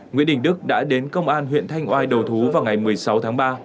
nguyễn đình đức đã đến công an huyện thanh oai đầu thú vào ngày một mươi sáu tháng ba